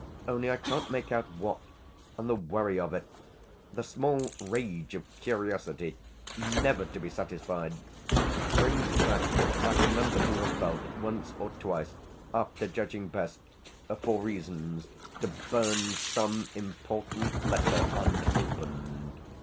Only I can't make out what, and the worry of it, the small rage of curiosity never to be satisfied, brings back what I remember to have felt, once or twice, after judging best, for reasons, to burn some important letter unopened.